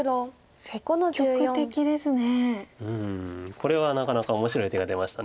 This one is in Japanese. これはなかなか面白い手が出ました。